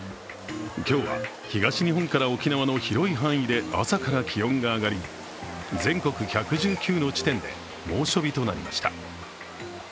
今日は、東日本から沖縄の広い範囲で朝から気温が上がり全国１１９の地点で猛暑日となりました。